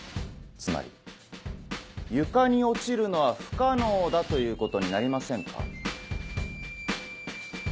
つまり床に落ちるのは不可能だということになりませんか。